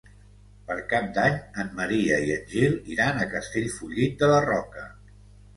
Per Cap d'Any en Maria i en Gil iran a Castellfollit de la Roca.